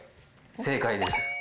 正解です。